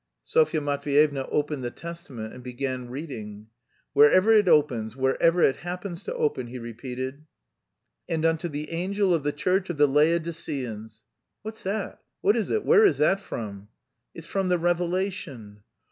Sofya Matveyevna opened the Testament and began reading. "Wherever it opens, wherever it happens to open," he repeated. "'And unto the angel of the church of the Laodiceans...'" "What's that? What is it? Where is that from?" "It's from the Revelation."